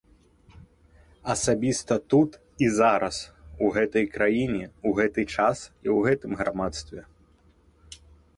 Асабіста тут і зараз, у гэтай краіне, у гэты час і ў гэтым грамадстве.